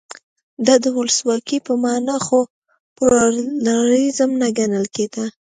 دا د ولسواکۍ په معنا و خو پلورالېزم نه ګڼل کېده.